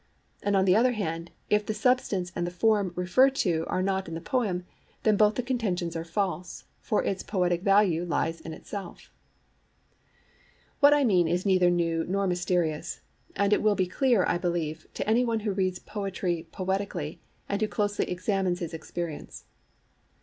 And on the other hand, if the substance and the form referred to are not in the poem, then both the contentions are false, for its poetic value lies in itself. IDENTITY OF SUBSTANCE AND FORM What I mean is neither new nor mysterious; and it will be clear, I believe, to any one who reads poetry poetically and who closely examines his experience.